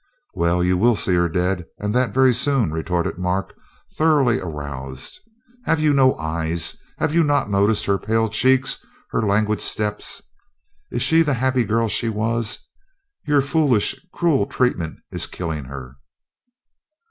"Well, you will see her dead, and that very soon," retorted Mark, thoroughly aroused. "Have you no eyes? Have you not noticed her pale cheeks, her languid steps? Is she the happy girl she was? Your foolish, cruel treatment is killing her."